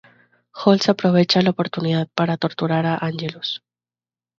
Holtz aprovecha la oportunidad para torturar a Ángelus.